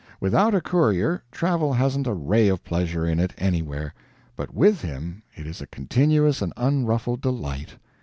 Without a courier, travel hasn't a ray of pleasure in it, anywhere; but with him it is a continuous and unruffled delight.